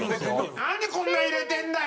なんで、こんな入れてんだよ！